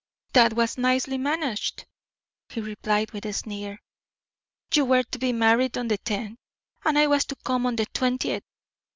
"That was nicely managed," he replied, with a sneer; "you were to be married on the tenth, and I was to come on the twentieth.